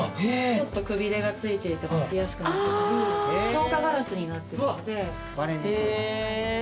ちょっとくびれが付いていて持ちやすくなってたり強化ガラスになってるので。